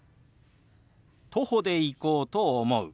徒歩で行こうと思う。